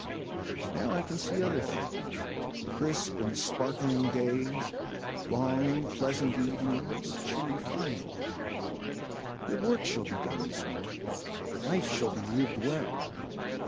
Now I can see other things—crisp and sparkling days, long pleasant evenings, cheery fires. Good work shall be done this winter. Life shall be lived well.